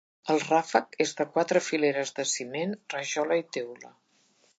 El ràfec és de quatre fileres de ciment, rajola i teula.